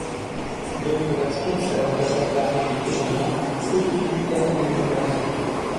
D'autres versions servirent d'appareils de commandement au-dessus du théâtre des opérations.